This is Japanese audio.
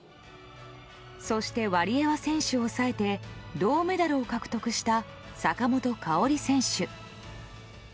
そしてワリエワ選手を抑えて銅メダルを獲得した坂本花織選手。